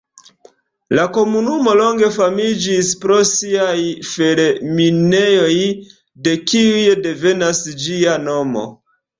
La komunumo longe famiĝis pro siaj fer-minejoj, de kiuj devenas ĝia nomo.